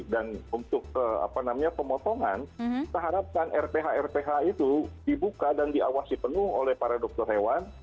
dan untuk pemotongan kita harapkan rph rph itu dibuka dan diawasi penuh oleh para dokter hewan